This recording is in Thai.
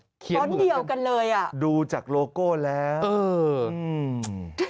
บอสเดียวกันเลยอ่ะดูจากโลโก้แล้วเอออืม